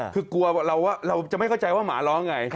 คือกลัวเราจะไม่เข้าใจว่าหมาร้องไง